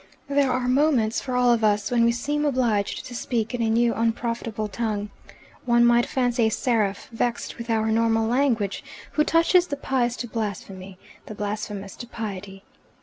There are moments for all of us when we seem obliged to speak in a new unprofitable tongue. One might fancy a seraph, vexed with our normal language, who touches the pious to blasphemy, the blasphemous to piety.